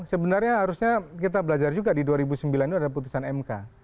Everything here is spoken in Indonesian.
sebenarnya harusnya kita belajar juga di dua ribu sembilan itu ada putusan mk